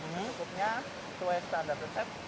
kumpulnya sesuai standar resep